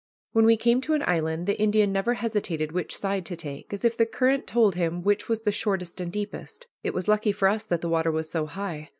When we came to an island the Indian never hesitated which side to take, as if the current told him which was the shortest and deepest. It was lucky for us that the water was so high.